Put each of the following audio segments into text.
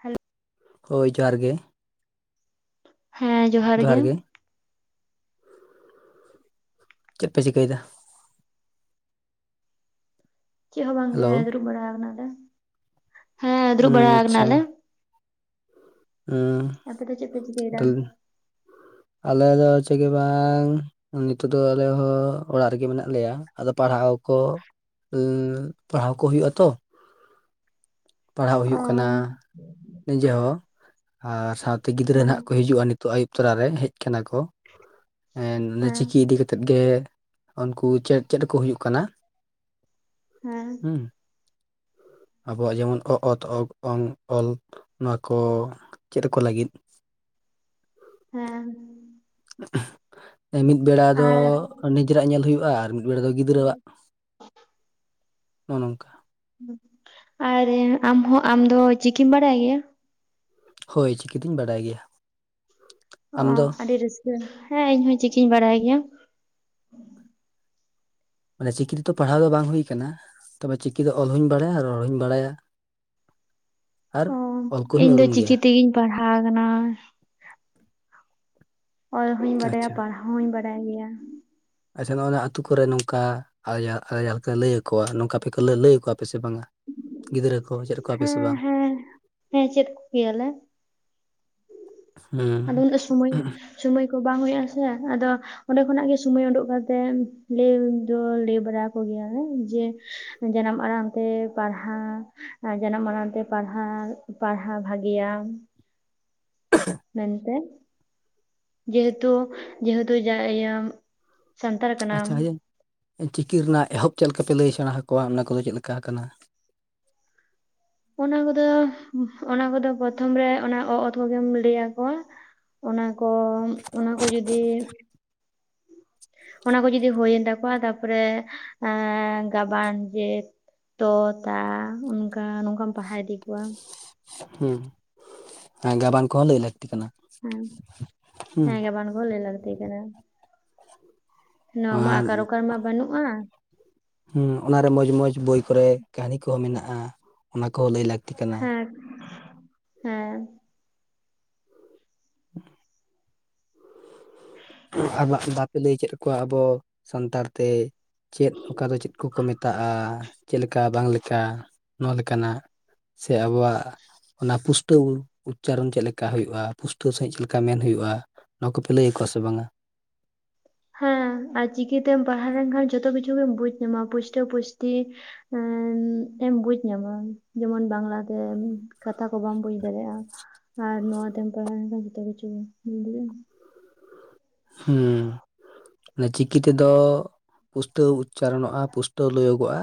Hello. ᱦᱳᱭ ᱡᱚᱦᱟᱨ ᱜᱮ ᱾ ᱦᱮᱸ ᱡᱚᱦᱟᱨ ᱜᱮ ᱾ ᱪᱮᱫ ᱯᱮ ᱪᱤᱠᱟᱹᱭᱮᱫᱟ? ᱪᱮᱫ ᱦᱚᱸ ᱵᱟᱝᱜᱮ ᱦᱮᱞᱳ ᱫᱩᱲᱩᱵ ᱵᱟᱲᱟ ᱠᱟᱱᱟᱞᱮ, ᱦᱮᱸ ᱫᱩᱲᱩᱵ ᱵᱟᱲᱟ ᱩᱸ ᱠᱟᱱᱟᱞᱮ ᱾ ᱦᱩᱸ ᱾ ᱟᱯᱮ ᱫᱚ ᱪᱮᱫ ᱯᱮ ᱪᱤᱠᱟᱹᱭᱫᱟ? ᱟᱞᱮ ᱫᱚ ᱪᱮᱜ ᱜᱮ ᱵᱟᱝ ᱾ ᱱᱤᱛᱚᱜ ᱫᱚ ᱟᱞᱮ ᱦᱚᱸ ᱚᱲᱟᱜ ᱨᱮᱜᱮ ᱢᱮᱱᱟᱜ ᱞᱮᱭᱟ, ᱟᱫᱚ ᱯᱟᱲᱦᱟᱣ ᱠᱚᱼᱼ ᱦᱩᱸ ᱯᱟᱲᱦᱟᱣ ᱠᱚ ᱦᱩᱭᱩᱜᱼᱟ ᱛᱚ ᱾ ᱯᱟᱲᱦᱟᱜ ᱚ ᱦᱩᱭᱩᱜ ᱠᱟᱱᱟ, ᱱᱤᱡᱮ ᱦᱚᱸ ᱾ ᱟᱨ ᱥᱟᱶᱛᱮ ᱜᱤᱫᱽᱨᱟᱹ ᱦᱮᱸ ᱦᱟᱸᱜ ᱠᱚ ᱦᱤᱡᱩᱜᱼᱟ ᱱᱤᱛᱚᱜ ᱟᱹᱭᱩᱵ ᱛᱚᱨᱟᱨᱮ, ᱦᱮᱡ ᱟᱠᱟᱱᱟ ᱠᱚ ᱾ ᱦᱮᱸ ᱚᱱᱟ ᱪᱤᱠᱤ ᱤᱫᱤ ᱠᱟᱛᱮᱜ ᱜᱮ, ᱩᱱᱠᱩ ᱪᱮᱫ ᱪᱮᱫᱠᱚ ᱦᱩᱭᱩᱜ ᱠᱟᱱᱟ ᱾ ᱦᱮᱸ ᱦᱩᱸ, ᱟᱵᱚᱣᱟᱜ ᱡᱮᱢᱚᱱᱼᱼ ᱚ ᱚᱛ ᱚᱜ ᱚᱝ ᱚᱞ ᱱᱚᱣᱟ ᱠᱚ ᱪᱮᱫ ᱟᱠᱚ ᱞᱟᱹᱜᱤᱫ ᱾ ᱦᱮᱸ ᱾ ᱢᱤᱫ ᱵᱮᱲᱟ ᱫᱚ ᱟᱨ ᱱᱤᱡᱮᱨᱟᱜ ᱧᱮᱞ ᱦᱩᱭᱩᱜᱼᱟ, ᱟᱨ ᱢᱤᱫ ᱵᱮᱲᱟ ᱫᱚ ᱜᱤᱫᱽᱨᱟᱹᱣᱟᱜ ᱾ ᱱᱚᱜᱼᱚ ᱱᱚᱝᱠᱟ ᱾ ᱟᱨ ᱟᱢ ᱦᱚᱸ ᱟᱢ ᱫᱚ ᱪᱤᱠᱤᱢ ᱵᱟᱲᱟᱭ ᱜᱮᱭᱟ? ᱦᱳᱭ ᱪᱤᱠᱤ ᱫᱩᱧ ᱵᱟᱰᱟᱭ ᱜᱮᱭᱟ ᱾ ᱚ ᱟᱹᱰᱤ ᱨᱟᱹᱥᱠᱟᱹ ᱾ ᱦᱮᱸ ᱤᱧ ᱦᱚᱸ ᱪᱤᱠᱤᱧ ᱵᱟᱲᱟᱭ ᱜᱮᱭᱟ ᱾ ᱢᱟᱱᱮ ᱪᱤᱠᱤ ᱛᱮᱫᱚ ᱯᱟᱲᱦᱟᱣ ᱫᱚ ᱵᱟᱝ ᱦᱩᱭ ᱟᱠᱟᱱᱟ, ᱛᱚᱵᱮ ᱪᱤᱠᱤ ᱫᱚ ᱚᱞ ᱦᱩᱧ ᱵᱟᱲᱟᱭᱟ ᱨᱚᱲ ᱦᱩᱧ ᱵᱟᱲᱟᱭᱟ ᱾ ᱚ ᱚᱞ ᱤᱧ ᱠᱚᱦᱚᱧ ᱫᱚ ᱩᱨᱩᱢ ᱪᱤᱠᱤ ᱜᱮᱭᱟ ᱛᱮᱜᱤᱧ ᱯᱟᱲᱦᱟᱣ ᱟᱠᱟᱱᱟ ᱾ ᱚᱞ ᱦᱩᱧ ᱵᱟᱰᱟᱭᱟ ᱟᱪᱪᱷᱟ ᱯᱟᱲᱦᱟᱣ ᱦᱩᱧ ᱵᱟᱰᱟᱭ ᱜᱮᱭᱟ ᱾ ᱟᱪᱪᱷᱟ ᱱᱚᱜᱼᱚᱭ ᱱᱚᱣᱟ ᱟᱹᱛᱩ ᱠᱚᱨᱮ ᱱᱚᱝᱠᱟᱼᱼ ᱡᱟᱦᱟᱸ ᱞᱮᱠᱟ ᱞᱟᱹᱭ ᱟᱠᱚᱣᱟ ᱱᱚᱝᱠᱟ ᱯᱮ ᱞᱟᱹᱭ ᱟᱠᱚᱣᱟᱯᱮ ᱥᱮ ᱵᱟᱝᱟ? ᱜᱤᱫᱽᱨᱟᱹ ᱠᱚ ᱪᱮᱫᱼᱼ ᱦᱮᱸ ᱦᱮᱸ, ᱦᱮᱸ ᱪᱮᱫ ᱠᱚᱜᱮᱭᱟᱞᱮ ᱾ ᱟᱫᱚ ᱦᱩᱸ ᱫᱚ ᱥᱚᱢᱚᱭ, ᱥᱚᱢᱚᱭ ᱠᱚ ᱵᱟᱝ ᱦᱩᱭᱩᱜᱼᱟ ᱥᱮ ᱾ ᱟᱫᱚᱼᱼ ᱚᱸᱰᱮ ᱠᱷᱚᱱᱟᱜ ᱜᱮ ᱥᱚᱢᱚᱭ ᱩᱰᱩᱠ ᱠᱟᱛᱮᱜ, ᱞᱟᱹᱭ ᱫᱚ ᱞᱟᱹᱭ ᱵᱟᱲᱟ ᱠᱚᱜᱮᱭᱟᱞᱮ ᱡᱮᱼᱼ ᱡᱟᱱᱟᱢ ᱟᱲᱟᱝᱛᱮ ᱯᱟᱲᱦᱟᱣᱼᱼ ᱟᱨ ᱡᱟᱱᱟᱢ ᱢᱟᱲᱟᱝᱛᱮ ᱯᱟᱲᱦᱟᱣ, ᱯᱟᱲᱦᱟᱣ ᱵᱷᱟᱜᱤᱭᱟ ᱾ ᱢᱮᱱᱛᱮ, ᱡᱮᱦᱮᱛᱩ ᱡᱮᱦᱮᱛᱩ ᱡᱟ ᱤᱭᱟᱹᱼᱼ ᱟᱪᱪᱷᱟ ᱤᱭᱟᱹ ᱪᱤᱠᱤ ᱨᱮᱱᱟᱜ ᱮᱦᱚᱵ ᱪᱮᱫ ᱞᱮᱠᱟ ᱯᱮ ᱞᱟᱹᱭ ᱥᱮᱬᱟ ᱟᱠᱚᱣᱟ, ᱚᱱᱟ ᱠᱚᱫᱚ ᱪᱮᱫ ᱞᱮᱠᱟ ᱦᱟᱠᱟᱱᱟ? ᱚᱱᱟ ᱠᱚᱫᱚ, ᱚᱱᱟ ᱠᱚᱫᱚ ᱯᱨᱚᱛᱷᱚᱢ ᱨᱮ ᱚᱱᱟ ᱚ ᱚᱛ ᱠᱚᱜᱮᱢ ᱞᱟᱹᱭ ᱟᱠᱚᱣᱟ ᱾ ᱚᱱᱟ ᱠᱚ, ᱚᱱᱟ ᱠᱚ ᱡᱩᱫᱤᱼᱼ ᱚᱱᱟ ᱠᱚ ᱡᱩᱫᱤ ᱦᱩᱭᱮᱱ ᱛᱟᱠᱚᱣᱟ ᱛᱟᱨᱯᱚᱨᱮ ᱮᱸ ᱜᱟᱵᱟᱱ ᱡᱮᱼᱼ ᱛᱚ ᱛᱟ ᱚᱱᱠᱟ, ᱱᱚᱝᱠᱟᱢ ᱯᱟᱲᱦᱟᱣ ᱤᱫᱤ ᱠᱚᱣᱟ ᱾ ᱦᱩᱸ, ᱜᱟᱵᱟᱱ ᱠᱚᱦᱚᱸ ᱞᱟᱹᱭ ᱞᱟᱹᱠᱛᱤ ᱠᱟᱱᱟ ᱾ ᱦᱚᱸ, ᱦᱮᱸ ᱵᱟᱝᱟᱱ ᱠᱚ ᱞᱟᱹᱭ ᱞᱟᱹᱠᱛᱤ ᱠᱟᱱᱟ ᱾ ᱱᱚᱣᱟ ᱢᱟ ᱟᱨ ᱟᱠᱟᱨ ᱩᱠᱟᱨ ᱢᱟ ᱵᱟᱹᱱᱩᱜᱼᱟ ᱾ ᱦᱚᱸ ᱚᱱᱟᱨᱮ ᱢᱚᱸᱡᱽ ᱢᱚᱸᱡᱽ ᱵᱳᱭ ᱠᱚᱨᱮ ᱠᱟᱹᱦᱱᱤ ᱠᱚᱦᱚᱸ ᱢᱮᱱᱟᱜᱼᱟ ᱚᱱᱟ ᱠᱚᱦᱚᱸ ᱞᱟᱹᱭ ᱞᱟᱹᱠᱛᱤ ᱠᱟᱱᱟ᱾ ᱦᱮᱸ ᱦᱮᱸ᱾ ᱟᱨ ᱵᱟ ᱵᱟᱯᱮ ᱞᱟᱹᱭ ᱦᱚᱪᱚᱭᱮᱫ ᱠᱚᱣᱟ ᱟᱵᱚ ᱥᱟᱱᱛᱟᱲ ᱛᱮ ᱪᱮᱫ ᱚᱠᱟ ᱫᱚ ᱪᱮᱫ ᱠᱚᱠᱚ ᱢᱮᱛᱟᱜᱼᱟ, ᱪᱮᱫ ᱞᱮᱠᱟ ᱵᱟᱝ ᱞᱮᱠᱟ ᱱᱚᱣᱟ ᱞᱮᱠᱟᱱᱟᱜ ᱥᱮ ᱟᱵᱚᱣᱟᱜ ᱚᱱᱟ ᱯᱩᱥᱴᱟᱹᱣ ᱩᱪᱪᱟᱨᱚᱱ ᱪᱮᱫ ᱞᱮᱠᱟ ᱦᱩᱭᱩᱜᱼᱟ, ᱯᱩᱥᱴᱟᱹᱣ ᱥᱟᱺᱦᱤᱡ ᱪᱮᱫ ᱞᱮᱠᱟ ᱢᱮᱱ ᱦᱩᱭᱩᱜᱼᱟ ᱱᱚᱣᱟ ᱠᱚᱯᱮ ᱞᱟᱹᱭ ᱟᱠᱚᱣᱟ ᱥᱮ ᱵᱟᱝᱟ? ᱦᱮᱸ ᱟᱨ ᱪᱤᱠᱤ ᱛᱮᱢ ᱯᱟᱲᱦᱟᱣ ᱞᱮᱱᱠᱷᱟᱱ ᱡᱷᱚᱛᱚ ᱠᱤᱪᱷᱩ ᱜᱮᱢ ᱵᱩᱡ ᱧᱟᱢᱟ ᱯᱩᱥᱴᱟᱹ ᱯᱩᱥᱴᱤ ᱮᱸ ᱮᱢ ᱵᱩᱡ ᱧᱟᱢᱟ ᱡᱮᱢᱚᱱ ᱵᱟᱝᱜᱞᱟ ᱛᱮ ᱠᱟᱛᱷᱟ ᱠᱚ ᱵᱟᱢ ᱵᱩᱡ ᱫᱟᱲᱮᱭᱟᱜᱼᱟ, ᱟᱨ ᱱᱚᱣᱟ ᱛᱮᱢ ᱯᱟᱲᱦᱟᱣ ᱞᱮᱱᱠᱷᱟᱱ ᱡᱚᱛᱚ ᱠᱤᱪᱷᱩᱢ ᱫᱟᱲᱮᱭᱟᱜᱼᱟ᱾ ᱦᱩᱸ᱾ ᱚᱱᱮ ᱪᱤᱠᱤ ᱛᱮᱫᱚ ᱯᱩᱥᱴᱟᱹᱣ ᱩᱪᱪᱟᱨᱚᱱᱚᱜᱼᱟ ᱯᱩᱥᱴᱟᱹᱣ ᱞᱟᱹᱭᱚᱜᱚᱜᱼᱟ,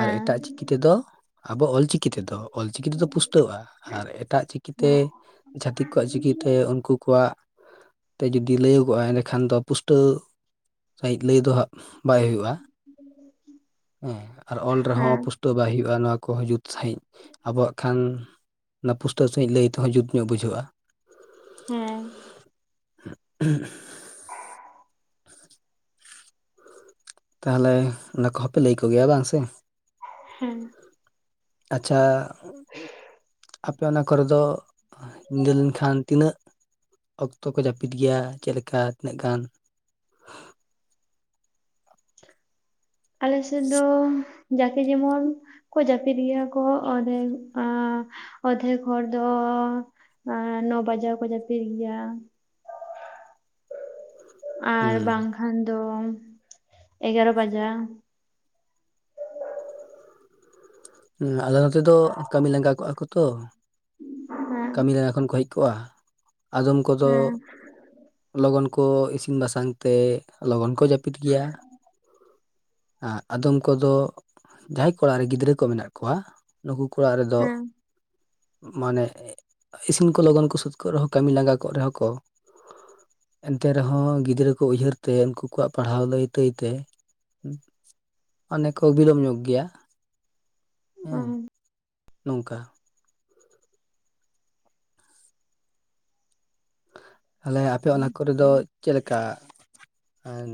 ᱟᱨ ᱮᱴᱟᱜ ᱪᱤᱠᱤ ᱛᱮᱫᱚ ᱟᱵᱚ ᱚᱞ ᱪᱤᱠᱤ ᱛᱮᱚᱫ ᱚᱞᱪᱤᱠᱤ ᱛᱮᱫᱚ ᱯᱩᱥᱴᱟᱹᱜᱣᱼᱟ ᱟᱨ ᱮᱴᱟᱜ ᱪᱤᱠᱤᱛᱮ ᱪᱷᱟᱹᱛᱤᱠ ᱠᱚᱣᱟᱜ ᱪᱤᱠᱤᱛᱮ ᱩᱱᱠᱩ ᱠᱚᱣᱟᱜ ᱛᱮ ᱡᱩᱫᱤ ᱞᱟᱹᱭᱟᱹᱜᱚᱜᱼᱟ ᱮᱸᱰᱮᱠᱷᱟᱱ ᱫᱚ ᱯᱩᱥᱴᱟᱹᱣ ᱥᱟᱦᱤᱫ ᱞᱟᱹᱭ ᱫᱚ ᱦᱟᱸᱜ ᱵᱟᱭ ᱦᱩᱭᱩᱜᱼᱟ᱾ [unintelligible] ᱦᱮᱸ ᱟᱨ ᱚᱞ ᱨᱮᱦᱚ ᱦᱮᱸ ᱯᱩᱥᱴᱟᱹᱣ ᱵᱟᱭ ᱦᱩᱭᱩᱜᱼᱟ ᱱᱚᱣᱟ ᱠᱚᱦᱚᱸ ᱡᱩᱛ ᱥᱟᱺᱦᱤᱡ ᱟᱵᱚᱣᱟᱜ ᱠᱷᱟᱱ ᱚᱱᱟ ᱯᱩᱥᱴᱟᱹᱣ ᱥᱟᱺᱦᱤᱡ ᱞᱟᱹᱭ ᱛᱮᱦᱚᱸ ᱡᱩᱛ ᱧᱚᱜ ᱵᱩᱡᱷᱟᱹᱜᱼᱟ᱾ ᱦᱮᱸ᱾ [unintelligible] ᱛᱟᱦᱞᱮ ᱚᱱᱟ ᱠᱚᱦᱚᱸ ᱯᱮ ᱞᱟᱹᱭ ᱠᱚ ᱜᱮᱭᱟ ᱵᱟᱝ ᱥᱮ? ᱦᱮᱸ᱾ ᱟᱪᱪᱷᱟ ᱟᱯᱮ ᱚᱱᱟ ᱠᱚᱨᱮ ᱫᱚ ᱧᱤᱫᱟᱹ ᱞᱮᱱᱠᱷᱟᱱ ᱛᱤᱱᱟᱹᱜ ᱚᱠᱛᱚ ᱠᱚ ᱡᱟᱹᱯᱤᱫ ᱜᱮᱭᱟ, ᱪᱮᱫᱮᱠᱟ ᱛᱤᱱᱟᱹᱜ ᱜᱟᱱ ᱟᱞᱮ ᱥᱮᱫ ᱫᱚ ᱡᱟᱠᱮ ᱡᱮᱢᱚᱱ ᱠᱚ ᱡᱟᱹᱯᱤᱫ ᱜᱮᱭᱟ ᱠᱚ ᱚᱫᱮᱠ ᱚᱫᱷᱮᱠ ᱦᱚᱲ ᱫᱚ ᱟ ᱱᱚ ᱵᱟᱡᱟᱣ ᱠᱚ ᱡᱟᱹᱯᱤᱫ ᱜᱮᱭᱟ, ᱟᱨ ᱦᱩᱸ ᱵᱟᱝᱠᱷᱟᱱ ᱫᱚ ᱮᱜᱟᱨᱚ ᱵᱟᱡᱟ᱾ ᱦᱩ ᱟᱞᱮ ᱱᱚᱛᱮ ᱫᱚ ᱠᱟᱹᱢᱤ ᱞᱟᱸᱜᱟ ᱠᱚᱜᱼᱟ ᱠᱚ ᱛᱚ, ᱦᱮᱸ ᱮᱠᱷᱚᱱ ᱠᱚ ᱦᱮᱡ ᱠᱚᱜᱼᱟ, ᱟᱫᱚᱢ ᱠᱚᱫᱚ ᱦᱮᱸ ᱞᱚᱜᱚᱱ ᱠᱚ ᱤᱥᱤᱱ ᱵᱟᱥᱟᱝ ᱛᱮ, ᱞᱚᱜᱚᱱ ᱠᱚ ᱡᱟᱹᱯᱤᱫ ᱜᱮᱭᱟ᱾ ᱟᱜ ᱟᱫᱚᱢ ᱠᱚᱫᱚ ᱡᱟᱦᱟᱸᱭ ᱠᱚᱲᱟ ᱨᱮ ᱜᱤᱫᱽᱨᱟᱹ ᱠᱚ ᱢᱮᱱᱟᱜ ᱠᱚᱣᱟ ᱱᱩᱠᱩ ᱠᱚ ᱚᱲᱟᱜ ᱨᱮᱫᱚ ᱦᱮᱸ ᱢᱟᱱᱮ ᱤᱥᱤᱱ ᱠᱚ ᱞᱚᱜᱚᱱ ᱠᱚ ᱥᱟᱹᱛ ᱠᱚᱜ ᱨᱮᱦᱚᱸ ᱠᱟᱹᱢᱤ ᱞᱟᱝᱜᱟᱣ ᱠᱚᱜ ᱨᱮᱦᱚᱸ ᱠᱚ ᱮᱱᱛᱮ ᱨᱮᱦᱚᱸ ᱜᱤᱫᱽᱨᱟᱹ ᱠᱚ ᱩᱭᱦᱟᱹᱨ ᱛᱮ ᱩᱱᱠᱩ ᱠᱚᱣᱟᱜ ᱯᱟᱲᱦᱟᱣ ᱞᱟᱹᱭ ᱛᱟᱹᱭ ᱛᱮ, ᱢᱟᱱᱮ ᱠᱚ ᱵᱤᱞᱚᱢ ᱧᱚᱜ ᱜᱮᱭᱟ᱾ ᱚ ᱦᱮᱸ ᱱᱚᱝᱠᱟ᱾ ᱛᱟᱦᱞᱮ ᱟᱯᱮ ᱚᱱᱟ ᱠᱚᱨᱮ ᱫᱚ ᱪᱮᱫ ᱞᱮᱠᱟ? ᱮᱸᱱ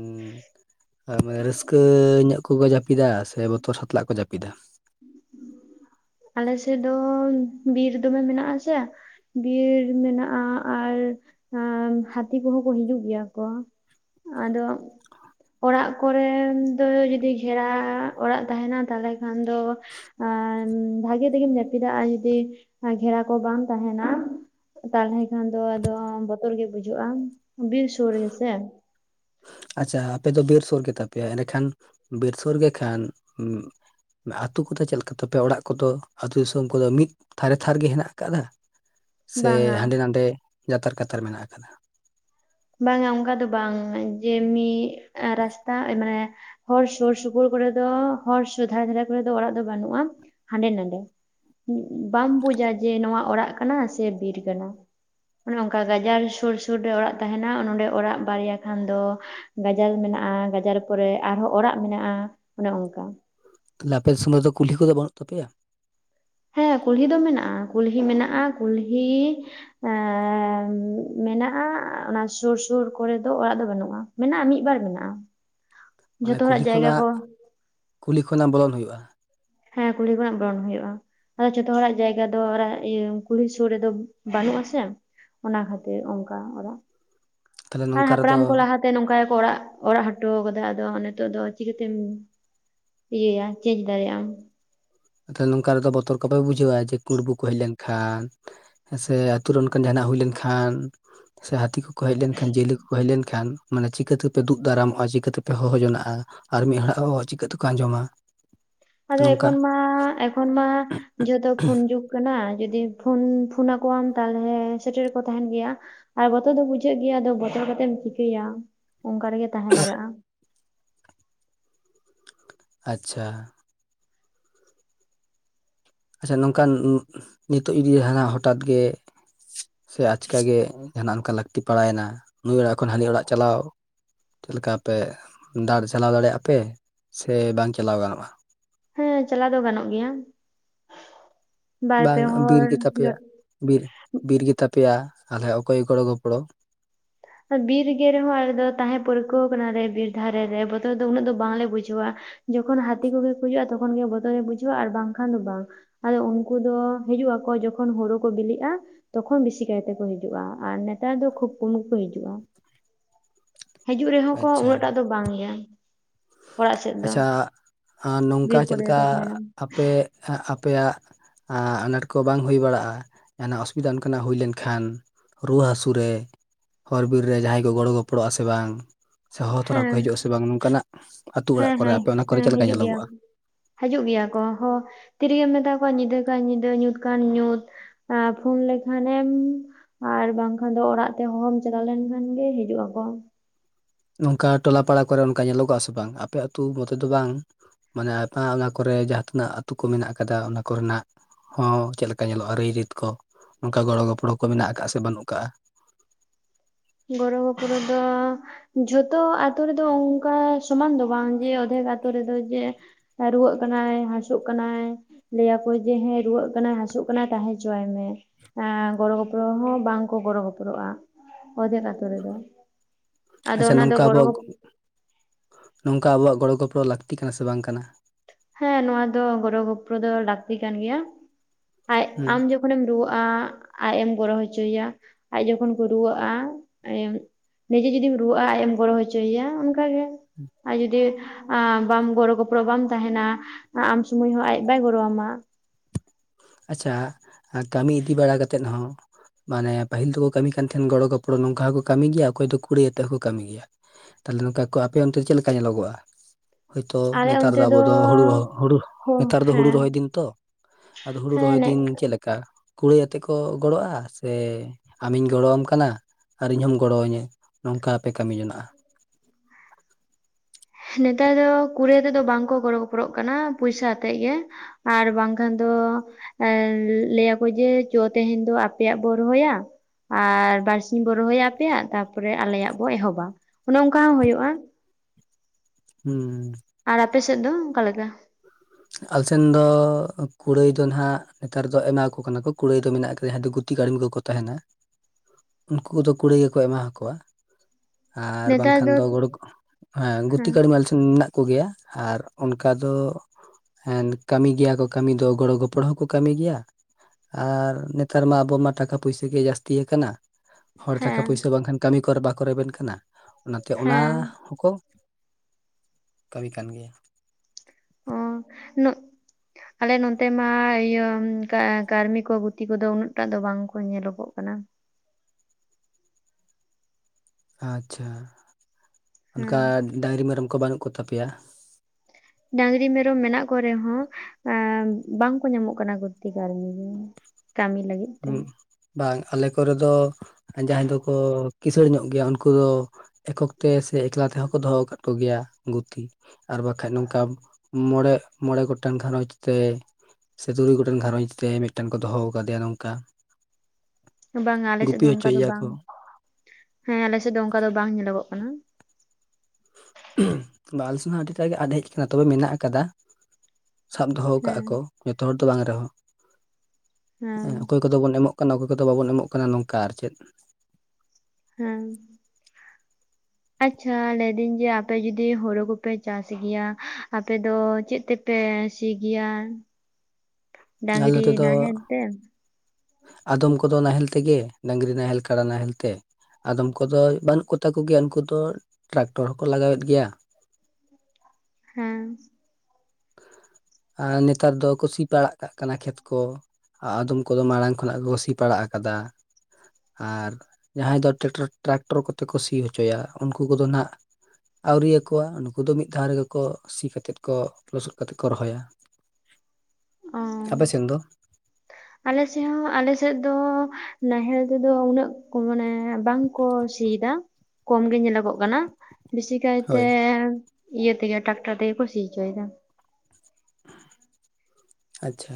ᱮᱸ ᱨᱟᱹᱥᱠᱟᱹ ᱧᱚᱜ ᱠᱚ ᱠᱚ ᱡᱟᱹᱯᱤᱫᱟ ᱥᱮ ᱵᱚᱛᱚᱨ ᱥᱟᱛᱞᱟᱜ ᱠᱚ ᱡᱟᱹ ᱯᱤᱫᱟ? ᱟᱞᱮ ᱥᱮᱫ ᱫᱚ ᱵᱤᱨ ᱫᱚᱢᱮ ᱢᱮᱱᱟᱜᱼᱟ ᱥᱮ, ᱵᱤᱨ ᱢᱮᱱᱟᱜᱼᱟ ᱟᱨ ᱦᱟᱹᱛᱤ ᱠᱚᱦᱚᱸ ᱠᱚ ᱦᱤᱡᱩᱜ ᱜᱮᱭᱟ ᱠᱚ ᱟᱫᱚ ᱚᱲᱟᱜ ᱠᱚᱨᱮ ᱫᱚ, ᱡᱩᱫᱤ, ᱜᱷᱮᱨᱟ ᱚᱲᱟᱜ ᱛᱟᱦᱮᱱᱟ, ᱛᱟᱦᱞᱮ ᱠᱷᱟᱱ ᱫᱚ ᱟᱸᱻ, ᱵᱷᱟᱜᱮ ᱛᱮᱜᱮᱢ, ᱡᱟᱹᱯᱤᱫᱟ ᱟᱨ, ᱡᱩᱫᱤ, ᱜᱷᱮᱲᱟ ᱠᱚ, ᱵᱟᱝ ᱛᱟᱦᱮᱱᱟ ᱛᱟᱞᱦᱮ ᱠᱷᱟᱱ ᱫᱚ, ᱟᱫᱚ ᱵᱚᱛᱚᱨ ᱜᱮ, ᱵᱩᱡᱩᱜᱼᱟ, ᱵᱤᱨ ᱥᱩᱨ-ᱥᱮ, ᱟᱪᱷᱟ, ᱟᱯᱮ ᱫᱚ, ᱵᱤᱨ ᱥᱚᱨ ᱜᱮᱛᱟ ᱯᱮᱭᱟ, ᱮᱸᱰᱮᱠᱷᱟᱱ, ᱵᱤᱨ ᱥᱩᱨ ᱜᱮ, ᱠᱷᱟᱱ ᱟᱹᱛᱩ ᱠᱚᱫᱚ, ᱪᱮᱫ ᱞᱮᱠᱟ ᱛᱟᱯᱮ, ᱚᱲᱟᱜ ᱠᱚᱫᱚ, ᱟᱹᱛᱩ ᱫᱤᱥᱚᱢ ᱠᱚᱫᱚ, ᱢᱤᱫ ᱛᱷᱟᱨᱮ ᱛᱷᱟᱨ ᱜᱮ, ᱦᱮᱱᱟᱜ ᱟᱠᱟᱫᱟ? ᱥᱮ, ᱵᱟᱝᱟ ᱦᱟᱸᱰᱮ, ᱱᱟᱰᱮ, ᱡᱟᱛᱟᱨ ᱠᱟᱛᱟᱨ ᱢᱮᱱᱟᱜ, ᱟᱠᱟᱫᱟ ᱾ ᱵᱟᱝᱟ, ᱚᱝᱠᱟ ᱫᱚ ᱵᱟᱝ, ᱡᱮ, ᱢᱤᱫ ᱨᱟᱥᱛᱟ ᱢᱟᱱᱮ ᱦᱚᱨ, ᱥᱩᱨ ᱥᱩᱯᱩᱨ ᱠᱚᱨᱮ ᱫᱚ, ᱦᱚᱨ ᱥᱩᱫᱷᱟᱨᱮ ᱠᱚᱨᱮ ᱫᱚ, ᱚᱲᱟᱜ ᱫᱚ ᱵᱟᱱᱩᱜᱼᱟ, ᱦᱟᱸᱰᱮ ᱱᱟᱰᱮ ᱩᱸᱩᱸ, ᱵᱟᱢ ᱵᱩᱡᱟ, ᱡᱮ ᱱᱚᱣᱟ, ᱚᱲᱟᱜ ᱠᱟᱱᱟ, ᱥᱮ, ᱵᱤᱨ ᱠᱟᱱᱟ ᱾ ᱚᱱᱮ ᱚᱱᱠᱟ, ᱜᱟᱡᱟᱲ ᱥᱩᱨ ᱥᱩᱨ ᱨᱮ, ᱚᱲᱟᱜ ᱛᱟᱦᱮᱱᱟ, ᱱᱚᱸᱰᱮ ᱚᱲᱟᱜ ᱵᱟᱨᱭᱟ ᱠᱷᱟᱱ, ᱫᱚ ᱜᱟᱡᱟᱲ ᱢᱮᱱᱟᱜᱼᱟ, ᱜᱟᱡᱟᱲ ᱯᱚᱨᱮ, ᱟᱨᱦᱚᱸ ᱚᱲᱟᱜ ᱢᱮᱱᱟᱜᱼᱟ, ᱚᱱᱮ ᱚᱱᱠᱟ ᱞᱟᱯᱮ, ᱥᱩᱢᱟ. ᱭ ᱫᱚ, ᱠᱩᱞᱦᱤ ᱠᱚᱫᱚ, ᱵᱟᱱᱩᱜ ᱛᱟᱯᱮᱭᱟ? ᱦᱮᱸᱻ, ᱠᱩᱞᱦᱤ ᱫᱚ ᱢᱮᱱᱟᱜᱼᱟ, ᱠᱩᱞᱦᱤ ᱢᱮᱱᱟᱜᱼᱟ, ᱠᱩᱞᱦᱤᱻ ᱢᱮᱱᱟᱜᱼᱟ, ᱚᱱᱟ ᱥᱳᱨ ᱥᱳᱨ ᱠᱚᱨᱮ ᱫᱚ, ᱚᱲᱟᱜ ᱫᱚ, ᱵᱟᱹᱱᱩᱜᱼᱟ ᱾ ᱢᱮᱱᱟᱜᱼᱟ, ᱢᱤᱫ ᱵᱟᱨ ᱢᱮᱱᱟᱜᱼᱟ, ᱢᱟᱱᱮ ᱡᱷᱚᱛᱚ ᱦᱚᱲᱟᱜ, ᱠᱩᱞᱦᱤ ᱡᱟᱭᱜᱟ ᱠᱷᱚᱱᱟᱜ ᱠᱚ ᱠᱩᱞᱦᱤ ᱠᱷᱚᱱᱟᱜ, ᱵᱚᱞᱚᱱ ᱦᱩᱭᱩᱜᱼᱟ? ᱦᱮᱸᱻ, ᱠᱩᱞᱦᱤ ᱠᱷᱚᱱᱟᱜ, ᱵᱨᱚᱱ ᱦᱩᱭᱩᱜᱼᱟ ᱾ ᱟᱫᱚ, ᱡᱷᱚᱛᱚ ᱦᱚᱲᱟᱜ ᱡᱟᱭᱜᱟ ᱫᱚ, ᱚᱲᱟᱜ ᱤᱭᱟᱹ, ᱠᱩᱞᱦᱤ ᱥᱳᱨ ᱨᱮᱫᱚ, ᱵᱟᱹᱱᱩᱜ ᱟᱥᱮ ᱚᱱᱟ ᱠᱷᱟᱹᱛᱤᱨ, ᱚᱱᱠᱟ ᱚᱲᱟᱜ, ᱛᱟᱦᱞᱮ ᱦᱮᱸᱻ, ᱱᱚᱝᱠᱟ ᱨᱮᱫᱚ ᱦᱟᱯᱲᱟᱢ ᱠᱚ, ᱞᱟᱦᱟᱛᱮ, ᱱᱚᱝᱠᱟ ᱜᱮ, ᱚᱲᱟᱜ ᱦᱚᱴᱚ ᱟᱠᱟᱫᱟ, ᱟᱫᱚ ᱱᱤᱛᱚᱜ ᱫᱚ, ᱪᱤᱠᱟᱹᱛᱮᱢ ᱤᱭᱟᱹᱭᱟ ᱠᱮᱪ ᱫᱟᱲᱮᱭᱟᱢ ᱾ ᱛᱟᱦᱞᱮ, ᱱᱚᱝᱠᱟ ᱨᱮᱫᱚ, ᱵᱚᱛᱚᱨ ᱠᱚᱯᱮ ᱵᱩᱡᱷᱟᱹᱣᱟ, ᱡᱮ, ᱠᱩᱲᱵᱩ ᱠᱚ, ᱦᱮᱡ ᱞᱮᱱᱠᱷᱟᱱ ᱦᱮᱸᱥᱮ, ᱟᱛᱳ ᱨᱮ, ᱚᱱᱠᱟᱱ ᱡᱟᱦᱟᱸᱱᱟᱜ ᱦᱩᱭ ᱞᱮᱱᱠᱷᱟᱱ, ᱥᱮ, ᱦᱟᱹᱛᱤ ᱠᱚᱠᱚ ᱦᱮᱡ ᱞᱮᱱᱠᱷᱟᱱ, ᱡᱤᱭᱟᱹᱞᱤ ᱠᱚᱠᱚ, ᱦᱮᱡ ᱞᱮᱱᱠᱷᱟᱱ ᱢᱟᱱᱮ, ᱤᱠᱟᱹᱛᱮᱯᱮ, ᱫᱩᱜ ᱫᱟᱨᱟᱢᱚᱜᱼᱟ, ᱪᱤᱠᱟᱹᱛᱮᱯᱮ, ᱦᱚᱦᱚ ᱡᱚᱱᱟᱜᱼᱟ, ᱟᱨ ᱢᱤᱫ ᱦᱚᱲᱟᱜ ᱦᱚᱦᱚ, ᱪᱤᱠᱟᱹ ᱛᱮᱠᱚ ᱟᱸᱡᱚᱢᱟ? ᱟᱫᱚ, ᱱᱚᱝᱠᱟ ᱮᱠᱷᱚᱱ ᱢᱟ, ᱮᱠᱷᱚᱱ ᱢᱟ, ᱡᱚᱛᱚ ᱯᱷᱳᱱ ᱡᱩᱜ ᱠᱟᱱᱟ, ᱡᱩᱫᱤ ᱯᱷᱳᱱ, ᱯᱷᱳᱱᱟ ᱠᱚᱣᱟᱢ, ᱛᱟᱦᱚᱞᱮ ᱥᱮᱴᱮᱨ ᱠᱚ, ᱛᱟᱦᱮᱱ ᱜᱮᱭᱟ ᱾ ᱟᱨ, ᱵᱚᱛᱚᱨ ᱫᱚ ᱵᱩᱡᱷᱟᱹᱜ ᱜᱮᱭᱟ, ᱟᱫᱚ, ᱵᱚᱛᱚᱨ ᱠᱟᱛᱮᱢ ᱪᱤᱠᱟᱹᱭᱟ, ᱚᱱᱠᱟ ᱨᱮᱜᱮ, ᱛᱟᱦᱮᱸ ᱞᱟᱜᱟ ᱾ ᱟᱪᱪᱷᱟ ᱾ ᱟᱪᱪᱷᱟ, ᱱᱚᱝᱠᱟᱱ, ᱱᱤᱛᱚᱜ ᱡᱩᱫᱤ, ᱡᱟᱦᱟᱸᱱᱟᱜ ᱦᱚᱴᱟᱛ ᱜᱮ [unintelligible] ᱥᱮ, ᱟᱪᱠᱟ ᱜᱮ, ᱡᱟᱦᱟᱸᱱᱟᱜ ᱚᱱᱠᱟ, ᱞᱟᱹᱠᱛᱤ ᱯᱟᱲᱟᱣ ᱮᱱᱟ, ᱱᱩᱭ ᱚᱲᱟᱜ ᱠᱷᱚᱱ, ᱦᱟᱹᱱᱤ ᱚᱲᱟᱜ ᱪᱟᱞᱟᱣ ᱪᱮᱫ ᱞᱮᱠᱟ ᱯᱮ, ᱫᱟᱲ ᱪᱟᱞᱟᱣ ᱫᱟᱲᱮ, ᱟᱯᱮ ᱥᱮ, ᱵᱟᱝ ᱪᱟᱞᱟᱣ ᱜᱟᱱᱚᱜᱼᱟ? ᱦᱮᱸᱻ, ᱪᱟᱞᱟᱣ ᱫᱚ, ᱜᱟᱱᱚᱜ ᱜᱮᱭᱟ, ᱵᱟᱨ ᱯᱮ ᱵᱟᱝ ᱵᱤᱨ ᱦᱚᱲ ᱜᱮᱛᱟᱯᱮᱭᱟ ᱵᱤᱨ, ᱵᱤᱨ ᱜᱮ ᱛᱟᱯᱮᱭᱟ, ᱟᱞᱦᱮ ᱚᱠᱚᱭ ᱜᱚᱲᱚ ᱜᱚᱯᱲᱚ? ᱵᱤᱨ ᱜᱮ ᱨᱮᱦᱚᱸ, ᱟᱞᱮ ᱫᱚ, ᱛᱟᱦᱮᱸ ᱯᱟᱹᱨᱠᱟᱹᱣ ᱟᱠᱟᱱᱟᱞᱮ, ᱵᱤᱨ ᱫᱷᱟᱨᱮ ᱨᱮ, ᱵᱚᱛᱚᱨ ᱫᱚ, ᱩᱱᱟᱹᱜ ᱫᱚ ᱵᱟᱝᱞᱮ, ᱵᱩᱡᱷᱟᱹᱣᱟ ᱾ ᱡᱚᱠᱷᱚᱱ, ᱦᱟᱹᱛᱤ ᱠᱚᱜᱮ ᱠᱚ, ᱦᱤᱡᱤᱜᱼᱟ, ᱛᱚᱠᱷᱚᱱ ᱜᱮ, ᱵᱚᱛᱚᱨᱮ ᱵᱩᱡᱷᱟᱹᱜᱼᱟ, ᱟᱨ ᱵᱟᱝᱠᱷᱟᱱ ᱫᱚ ᱵᱟᱝ ᱾ ᱟᱫᱚ, ᱩᱱᱠᱩ ᱫᱚ, ᱦᱤᱡᱩᱜ ᱟᱠᱚ, ᱡᱚᱠᱷᱚᱱ, ᱦᱳᱲᱩ ᱠᱚ, ᱵᱤᱞᱤᱜᱼᱟ, ᱾ ᱛᱚᱠᱷᱚᱱ, ᱵᱤᱥᱤ ᱠᱟᱭ ᱛᱮᱠᱚ ᱦᱤᱡᱩᱜᱼᱟ, ᱟᱨ ᱱᱮᱛᱟᱨ ᱫᱚ, ᱠᱷᱩᱵ ᱠᱚᱢ ᱜᱮᱠᱚ, ᱦᱤᱡᱩᱜᱼᱟ ᱾ ᱦᱤᱡᱩᱜᱼᱟ, ᱦᱤᱡᱩᱜ ᱨᱮᱦᱚᱸ ᱠᱚ, ᱟᱪᱪᱷᱟ ᱩᱱᱟᱹᱜ ᱴᱟᱜ ᱫᱚ, ᱵᱟᱝ ᱜᱮ ᱾ ᱟᱪᱪᱷᱟ, ᱱᱚᱝᱠᱟ ᱵᱤᱨ ᱪᱮᱫ ᱠᱚᱨᱮ ᱞᱮᱠᱟ? ᱜᱮᱠᱚ ᱛᱟᱦᱮᱱᱟ ᱟᱯᱮ, ᱟᱯᱮᱭᱟᱜ ᱟᱻ ᱟᱱᱟᱴ ᱠᱚ, ᱵᱟᱝ ᱦᱩᱭ ᱵᱟᱲᱟᱜᱼᱟ ᱾ ᱡᱟᱦᱟᱸᱱᱟᱜ, ᱚᱥᱩᱵᱤᱫᱷᱟ, ᱚᱱᱠᱟᱱᱟᱜ, ᱦᱩᱭ ᱞᱮᱱᱠᱷᱟᱱ ᱨᱩᱣᱟᱹ ᱦᱟᱹᱥᱩ ᱨᱮ, ᱦᱚᱨ ᱵᱤᱨ ᱨᱮ, ᱡᱟᱦᱟᱸᱭ ᱠᱚ, ᱜᱚᱲᱚ ᱜᱚᱯᱚᱲᱚᱜᱼᱟᱥᱮ, ᱵᱟᱝ? ᱥᱮ, ᱦᱚᱦᱚ ᱛᱚᱨᱟ ᱠᱚ, ᱦᱤᱡᱩᱜ ᱟ ᱥᱮ, ᱵᱟᱝ, ᱱᱚᱝᱠᱟ ᱱᱟᱜ? ᱦᱮᱸᱻ ᱦᱮᱸᱻ, ᱦᱮᱸ ᱦᱤᱡᱩᱜ ᱜᱮᱭᱟ ᱠᱚ ᱾ ᱦᱤᱡᱩᱜ ᱜᱮᱭᱟ ᱠᱚ, ᱦᱚ ᱼ ᱛᱤᱨᱜᱮᱢ ᱢᱮᱛᱟ ᱠᱚᱣᱟ, ᱧᱤᱫᱟᱹ ᱠᱷᱟᱱ ᱧᱤᱫᱟᱹ, ᱧᱩᱛ ᱠᱷᱟᱱ ᱧᱩᱛ ᱟᱻ ᱯᱷᱳᱱ ᱞᱮᱠᱷᱟᱱᱮᱢ ᱟᱨ ᱵᱟᱝᱠᱷᱟᱱ ᱫᱚ ᱚᱲᱟᱜ ᱛᱮ ᱦᱚᱦᱚᱢ ᱪᱟᱞᱟᱣ ᱞᱮᱱᱠᱷᱟᱱᱜᱤ ᱦᱤᱡᱩᱜᱼᱟᱠᱚ᱾ ᱱᱚᱝᱠᱟ ᱴᱚᱞᱟ ᱯᱟᱲᱟ ᱠᱚᱨᱮ ᱚᱱᱠᱟ ᱴᱚᱞᱟ ᱯᱟᱲᱟ ᱠᱚᱨᱮ ᱧᱮᱞᱚᱜᱚᱜᱼᱟ ᱥᱮ ᱵᱟᱝ ᱟᱯᱮ ᱟᱹᱛᱩᱳ ᱢᱚᱛᱮ ᱫᱚ ᱵᱟᱝ ᱢᱟᱱᱮ ᱟᱭᱢᱟ ᱚᱱᱟ ᱠᱚᱨᱮ ᱡᱟᱦᱟᱸ ᱛᱤᱱᱟᱹᱜ ᱟᱹᱛᱩ ᱠᱚ ᱢᱮᱱᱟᱜ ᱟᱠᱟᱫᱟ ᱚᱱᱟ ᱠᱚᱨᱮ ᱱᱟᱜ ᱦᱚᱸ ᱪᱮᱫ ᱞᱮᱠᱟ ᱧᱮᱞᱚᱜᱼᱟ ᱨᱟᱹᱭ-ᱨᱟᱹᱛ ᱠᱚ ᱱᱚᱝᱠᱟ ᱜᱚᱲᱚ ᱜᱚᱯᱚᱲᱚ ᱠᱚ ᱢᱮᱱᱟᱜ ᱟᱠᱟᱫ ᱥᱮ ᱵᱟᱹᱱᱩᱜ ᱠᱟᱜᱼᱟ? ᱜᱚᱲᱚ ᱜᱚᱯᱲᱚ ᱫᱚ ᱡᱷᱚᱛᱚ ᱟᱛᱳ ᱨᱮᱫᱚ ᱚᱱᱠᱟ ᱥᱚᱢᱟᱱ ᱫᱚ ᱵᱟᱝ ᱡᱮ ᱚᱫᱷᱮᱠ ᱟᱛᱳ ᱨᱮᱫᱚ ᱡᱮ ᱨᱩᱣᱟᱹᱜ ᱠᱟᱱᱟᱭ ᱦᱟᱹᱥᱩᱜ ᱠᱟᱱᱟᱭ ᱞᱟᱹᱭ ᱟᱠᱚ ᱡᱮ ᱦᱮᱸ ᱨᱩᱣᱟᱹᱜ ᱠᱟᱱᱟᱭ ᱦᱟᱹᱥᱩᱜ ᱠᱟᱱᱟᱭ ᱛᱟᱦᱮᱸ ᱦᱚᱪᱚᱟᱭ ᱢᱮ ᱾ ᱮᱸ ᱜᱚᱲᱚ ᱜᱚᱯᱚᱲᱚ ᱦᱚᱸ ᱵᱟᱝᱠᱚ ᱜᱚᱲᱚ ᱜᱚᱯᱚᱲᱚᱜᱼᱟ ᱾ ᱚᱫᱮᱠ ᱟᱛᱳ ᱨᱮᱫᱚ ᱾ ᱟᱪᱪᱷᱟ ᱱᱚᱝᱠᱟ ᱟᱵᱚᱣᱟᱜ ᱱᱚᱝᱠᱟ ᱟᱵᱚᱣᱟᱜ ᱜᱚᱲᱚ ᱜᱚᱯᱚᱲᱚ ᱞᱟᱹᱠᱛᱤ ᱠᱟᱱᱟ ᱥᱮ ᱵᱟᱝ ᱠᱟᱱᱟ? ᱦᱮᱸ ᱱᱚᱣᱟ ᱫᱚ ᱜᱚᱲᱚ ᱜᱚᱯᱚᱲᱚ ᱫᱚ ᱞᱟᱹᱠᱛᱤ ᱠᱟᱱ ᱜᱮᱭᱟ ᱟᱡ ᱦᱩᱸ ᱟᱢ ᱡᱚᱠ ᱡᱚᱠᱷᱚᱱᱮᱢ ᱨᱩᱣᱟᱹᱜᱼᱟ ᱟᱡ ᱮᱢ ᱜᱚᱲᱚ ᱦᱚᱪᱚᱭᱮᱭᱟ ᱟᱡ ᱡᱚᱠᱷᱚᱱ ᱠᱚ ᱨᱩᱣᱟᱹᱜᱼᱟ ᱱᱤᱡᱮ ᱡᱩᱫᱤᱢ ᱨᱩᱣᱟᱹᱜᱼᱟ ᱟᱡ ᱮᱢ ᱜᱚᱲᱚ ᱦᱚᱪᱚᱭ ᱮᱭᱟ ᱚᱱᱠᱟ ᱜᱮ [unintelligible] ᱟᱨ ᱡᱩᱫᱤ ᱵᱟᱢ ᱜᱚᱲᱚ ᱜᱚᱯᱚᱲᱚ ᱵᱟᱢ ᱛᱟᱦᱮᱱᱟ ᱟᱢ ᱥᱳᱢᱚᱭ ᱦᱚᱸ ᱟᱡ ᱵᱟᱭ ᱜᱚᱲᱚ ᱟᱢᱟ ᱾ ᱟᱪᱪᱷᱟ, ᱠᱟᱹᱢᱤ ᱤᱫᱤ ᱵᱟᱲᱟ ᱠᱟᱛᱮᱫ ᱦᱚᱸ ᱢᱟᱱᱮ ᱯᱟᱹᱦᱤᱞ ᱫᱚᱠᱚ ᱠᱟᱹᱢᱤ ᱠᱟᱱ ᱛᱟᱦᱮᱸᱫ ᱜᱚᱲᱚ ᱜᱚᱯᱚᱲᱚ ᱱᱚᱝᱠᱟ ᱦᱚᱸᱠᱚ ᱠᱟᱹᱢᱤ ᱜᱮᱭᱟ ᱚᱠᱚᱭ ᱫᱚ ᱠᱩᱲᱟᱹᱭ ᱟᱛᱮ ᱦᱚᱸᱠᱚ ᱠᱟᱹᱢᱤ ᱜᱮᱭᱟ᱾ ᱛᱟᱦᱚᱞᱮ ᱱᱚᱝᱠᱟ ᱠᱚ ᱟᱯᱮ ᱚᱱᱛᱮ ᱪᱮᱫ ᱞᱮᱠᱟ ᱧᱮᱞᱚᱜᱚᱜᱼᱟ? ᱦᱳᱭᱛᱳ ᱟᱞᱮ ᱱᱮᱛᱟᱨ ᱚᱱᱛᱮ ᱫᱚ ᱟᱵᱚ ᱫᱚ ᱦᱩᱲᱩ ᱦᱩᱲᱩ ᱦᱚᱸ ᱱᱮᱛᱟᱨ ᱫᱚ ᱦᱩᱲᱩ ᱦᱮᱸ ᱨᱚᱦᱚᱭ ᱫᱤᱱ ᱛᱚ, ᱟᱫᱚ ᱦᱩᱲᱩ ᱨᱚᱦᱚᱭ ᱦᱮᱸ ᱫᱤᱱ ᱪᱮᱫ ᱞᱮᱠᱟ ᱠᱩᱲᱟᱹᱭ ᱟᱛᱮ ᱠᱚ ᱜᱚᱲᱚᱼᱟ ᱥᱮ ᱟᱢᱤᱧ ᱜᱚᱲᱚᱭᱟᱢ ᱠᱟᱱᱟ ᱟᱨ ᱤᱧ ᱦᱚᱢ ᱜᱚᱲᱚᱤᱧᱟᱹ ᱱᱚᱝᱠᱟ ᱯᱮ ᱠᱟᱹᱢᱤ ᱡᱚᱝᱟᱜᱼᱟ ᱾ ᱱᱮᱛᱟᱨ ᱫᱚ ᱠᱩᱲᱟᱹᱭ ᱟᱛᱮᱫ ᱫᱚ ᱵᱟᱝ ᱠᱚ ᱜᱚᱲᱚ ᱜᱚᱯᱚᱲᱚᱜ ᱠᱟᱱᱟ ᱯᱚᱭᱥᱟ ᱟᱛᱮᱫ ᱜᱮ ᱾ ᱟᱨ ᱵᱟᱝᱠᱷᱟᱱ ᱫᱚ ᱮ ᱞᱟᱹᱭᱟ ᱠᱚ ᱡᱮ ᱪᱚ ᱛᱮᱦᱮᱧ ᱫᱚ ᱟᱯᱮᱭᱟᱜ ᱵᱚ ᱨᱚᱦᱚᱭᱟ ᱾ ᱟᱨ ᱵᱟᱨᱥᱤᱧ ᱵᱚ ᱨᱚᱦᱚᱭᱟ ᱟᱯᱮᱭᱟ ᱛᱟᱨᱯᱚᱨᱮ ᱟᱞᱮᱭᱟᱜ ᱵᱚ ᱮᱦᱚᱵᱟ ᱚᱱᱮ ᱚᱱᱠᱟ ᱦᱚᱸ ᱦᱩᱭᱩᱜᱼᱟ ᱾ ᱦᱩᱸ ᱾ ᱟᱨ ᱟᱯᱮ ᱥᱮᱫ ᱫᱚ ᱚᱠᱟ ᱞᱮᱠᱟ? ᱟᱞᱮ ᱥᱮᱱ ᱫᱚ ᱠᱩᱲᱟᱹᱭ ᱫᱚ ᱱᱟᱦᱟᱸᱜ ᱱᱮᱛᱟᱨ ᱫᱚ ᱮᱢᱟᱠᱚ ᱠᱟᱱᱟ ᱠᱚ ᱠᱩᱲᱟᱹᱭ ᱫᱚ ᱢᱮᱱᱟᱜ ᱟᱠᱟᱫᱟ ᱡᱟᱦᱟᱸ ᱫᱚ ᱜᱩ ᱜᱩᱛᱤ ᱠᱟᱹᱲᱢᱤ ᱠᱚᱠᱚ ᱛᱟᱦᱮᱱᱟ ᱾ [unintelligible] ᱩᱱᱠᱩ ᱠᱚᱫᱚ ᱠᱩᱲᱟᱹᱭ ᱜᱮᱠᱚ ᱮᱢᱟ ᱟᱠᱚᱣᱟ ᱾ ᱟᱨ ᱵᱟᱝᱠᱷᱟᱱ ᱫᱚ ᱜᱚᱲ ᱦᱮᱸ ᱜᱩᱛᱤ ᱠᱟᱲᱢᱤ ᱥᱮᱱ ᱢᱮᱱᱟᱜ ᱠᱚᱜᱮᱭᱟ ᱟᱨ ᱚᱱᱠᱟ ᱫᱚ ᱦᱮᱸ ᱠᱟᱹᱢᱤ ᱜᱮᱭᱟ ᱠᱚ ᱠᱟᱹᱢᱤ ᱫᱚ ᱜᱚᱲᱚ ᱜᱚᱯᱚᱲᱚ ᱦᱚᱸᱠᱚ ᱠᱟᱹᱢᱤ ᱜᱮᱭᱟ ᱾ ᱟᱨ ᱱᱮᱛᱟᱨ ᱢᱟ ᱟᱵᱚ ᱢᱟ ᱴᱟᱠᱟ ᱯᱚᱭᱥᱟ ᱜᱮ ᱡᱟᱹᱥᱛᱤ ᱟᱠᱟᱱᱟ ᱾ ᱦᱚᱲ ᱴᱟᱠᱟ ᱦᱮᱸ ᱯᱚᱭᱥᱟᱹ ᱵᱟᱝᱠᱷᱟᱱ ᱠᱟᱹᱢᱤ ᱠᱚᱨᱮ ᱵᱟᱠᱚ ᱨᱮᱵᱮᱱ ᱠᱟᱱᱟ ᱚᱱᱟᱛᱮ ᱚᱱᱟ ᱦᱮᱸ ᱦᱚᱸᱠᱚ ᱠᱟᱹᱢᱤ ᱠᱟᱱ ᱜᱮᱭᱟ ᱾ [unintelligible] ᱟᱞᱮ ᱱᱚᱛᱮ ᱢᱟ ᱤᱭᱟᱹ ᱠᱟᱹᱨᱢᱤ ᱠᱚ ᱜᱩᱛᱤ ᱠᱚᱫᱚ ᱩᱱᱟᱹᱜ ᱴᱟᱜ ᱫᱚ ᱵᱟᱝ ᱠᱚ ᱧᱮᱞᱚᱜᱚᱜ ᱠᱟᱱᱟ ᱾ ᱟᱪᱪᱷᱟ, ᱦᱮᱸ ᱚᱱᱠᱟ ᱰᱟᱹᱝᱨᱤ ᱢᱮᱨᱚᱢ ᱠᱚ ᱵᱟᱹᱱᱩᱜ ᱠᱚ ᱛᱟᱯᱮᱭᱟ? ᱰᱟᱝᱨᱤ ᱢᱮᱨᱚᱢ ᱢᱮᱱᱟᱜ ᱠᱚ ᱨᱮᱦᱚᱸ ᱮᱸ ᱵᱟᱝᱠᱚ ᱧᱟᱢᱚᱜ ᱠᱟᱱᱟ ᱜᱩᱛᱤ ᱠᱟᱹᱢᱤ ᱜᱮ ᱠᱟᱹᱢᱤ ᱞᱟᱹᱜᱤᱫ ᱛᱮ ᱾ ᱦᱩᱸ ᱵᱟᱝ ᱟᱞᱮ ᱠᱚᱨᱮ ᱫᱚ ᱡᱟᱦᱟᱸᱭ ᱫᱚᱠᱚ ᱠᱤᱥᱟᱹᱬ ᱧᱚᱜ ᱜᱮᱭᱟ ᱩᱱᱠᱩ ᱫᱚ ᱮᱠᱚᱠ ᱛᱮ ᱥᱮ ᱮᱠᱞᱟ ᱛᱮᱦᱚᱸ ᱠᱚ ᱫᱚᱦᱚ ᱟᱠᱟᱫ ᱠᱚᱜᱮᱭᱟ ᱜᱩᱛᱤ? ᱟᱨ ᱵᱟᱠᱷᱟᱡ ᱱᱚᱝᱠᱟ ᱢᱚᱬᱮ-ᱢᱚᱬᱮ ᱜᱚᱴᱟᱝ ᱜᱷᱟᱨᱚᱸᱡᱽ ᱛᱮ ᱥᱮ ᱛᱩᱨᱩᱭ ᱜᱚᱴᱮᱱ ᱜᱷᱟᱨᱚᱸᱡᱽ ᱛᱮ ᱢᱤᱫᱴᱮᱱ ᱠᱚ ᱫᱚᱦᱚ ᱠᱟᱫᱮᱭᱟ ᱱᱚᱝᱠᱟ ᱵᱟᱝᱟ ᱟᱞᱮᱥᱮᱫ ᱜᱩᱯᱤ ᱫᱚ ᱚᱱᱠᱟ ᱫᱚ ᱦᱚᱪᱚᱭᱮᱭᱟ ᱵᱟᱝ ᱠᱚ ᱦᱮᱸ ᱟᱞᱮᱥᱮᱫ ᱫᱚ ᱚᱱᱠᱟ ᱫᱚ ᱵᱟᱝ ᱧᱮᱞᱚᱜᱚᱜ ᱠᱟᱱᱟ᱾ ᱵᱟ ᱟᱞᱮᱥᱮᱱ ᱦᱚᱸ ᱟᱹᱰᱤ ᱴᱟᱜ ᱜᱮ ᱟᱫ ᱦᱮᱡ ᱠᱟᱱᱟ ᱛᱚᱵᱮ ᱢᱮᱱᱟᱜ ᱟᱠᱟᱫᱟ ᱥᱟᱵ ᱫᱚᱦᱚ ᱠᱟᱜᱼᱟ ᱦᱮᱸ ᱠᱚ ᱡᱚᱛᱚ ᱦᱚᱲ ᱫᱚ ᱵᱟᱝ ᱨᱮᱦᱚᱸ ᱦᱮᱸ ᱚᱠᱚᱭ ᱚᱠᱚᱭ ᱠᱚᱫᱚ ᱵᱚᱱ ᱮᱢᱚᱜ ᱠᱟᱱᱟ ᱚᱠᱚᱭ ᱠᱚᱫᱚ ᱵᱟᱵᱚᱱ ᱮᱢᱚᱜ ᱠᱟᱱᱟ ᱱᱚᱝᱠᱟ ᱟᱨ ᱪᱮᱫ ᱦᱮᱸᱻ ᱟᱪᱷᱟ ᱞᱟᱹᱭᱫᱟᱹᱧ ᱡᱮ ᱟᱯᱮ ᱡᱩᱫᱤ ᱦᱩᱲᱩ ᱠᱚᱯᱮ ᱪᱟᱥ ᱜᱮᱭᱟ ᱟᱯᱮ ᱫᱚ ᱪᱮᱫ ᱛᱮ ᱯᱮ ᱥᱤ ᱜᱮᱭᱟ ᱟᱞᱮ ᱰᱟᱹᱝᱨᱤ ᱱᱚᱛᱮ ᱫᱚ ᱱᱟᱦᱮᱞ ᱛᱮ? ᱟᱫᱚᱢ ᱠᱚᱫᱚ ᱱᱟᱦᱮᱞ ᱛᱮᱜᱮ ᱰᱟ. ᱝᱨᱤ ᱱᱟᱦᱮᱞ, ᱠᱟᱰᱟ ᱱᱟᱦᱮᱞ ᱛᱮ ᱟᱫᱚᱢ ᱠᱚᱫᱚ ᱵᱟᱹᱱᱩᱜ ᱠᱚ ᱛᱟᱠᱚ ᱜᱮᱭᱟ ᱩᱱᱠᱩ ᱫᱚ ᱴᱨᱟᱠᱴᱚᱨ ᱦᱚᱸᱠᱚ ᱞᱟᱜᱟᱣᱮᱫ ᱜᱮᱭᱟ᱾ ᱦᱮᱸᱻ ᱟᱨ ᱱᱮᱛᱟᱨ ᱫᱚ ᱠᱚ ᱥᱤ ᱯᱟᱲᱟᱜ ᱠᱟᱜ ᱠᱟᱱᱟ ᱠᱷᱮᱛ ᱠᱚ ᱟᱫᱚᱢ ᱠᱚᱫᱚ ᱢᱟᱲᱟᱝ ᱠᱷᱚᱱᱟᱜ ᱠᱚ ᱥᱤ ᱯᱟᱲᱟᱜ ᱟᱠᱟᱫᱟ᱾ ᱟᱨ ᱡᱟᱦᱟᱸᱭ ᱫᱚ ᱴᱨᱟᱠᱴᱚᱨ ᱠᱚᱛᱮ ᱠᱚ ᱥᱤ ᱦᱚᱪᱚᱭᱟ ᱩᱱᱠᱩ ᱠᱚᱫᱚ ᱦᱟᱸᱜ ᱟᱹᱣᱨᱤᱭᱟ ᱠᱚᱣᱟ ᱩᱱᱠᱩ ᱫᱚ ᱢᱤᱫ ᱫᱷᱟᱣ ᱨᱮᱜᱮ ᱠᱚ ᱥᱤ ᱠᱟᱛᱮᱫ ᱠᱚ ᱞᱚᱥᱚᱫ ᱠᱟᱛᱮᱫ ᱠᱚ ᱨᱚᱦᱚᱭᱟ᱾ ᱚ ᱟᱯᱮ ᱥᱮᱱ ᱫᱚ ᱟᱞᱮ ᱥᱮ ᱦᱚᱸ ᱟᱞᱮ ᱥᱮᱫ ᱫᱚ ᱱᱟᱦᱮᱞ ᱛᱮᱫᱚ ᱩᱱᱟᱹᱜ ᱢᱟᱱᱮ ᱵᱟᱝᱠᱚ ᱥᱤ ᱮᱫᱟ ᱠᱚᱢ ᱜᱮ ᱧᱮᱞᱚᱜᱚᱜ ᱠᱟᱱᱟ ᱵᱮᱥᱤᱠᱟᱭᱛᱮ ᱦᱳᱭ ᱤᱭᱟᱹ ᱛᱮᱜᱮ ᱴᱨᱟᱠᱴᱟᱨ ᱛᱮᱜᱮ ᱠᱚ ᱥᱤ ᱚᱪᱚᱭᱮᱫᱟ᱾ ᱟᱪᱷᱟ